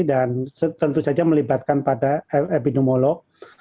dan tentu saja melibatkan pada epidemiolog